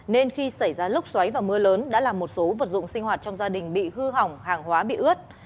nên khi xảy ra lốc xoáy và mưa lớn đã làm một số vật dụng sinh hoạt trong gia đình bị hư hỏng hàng hóa bị ướt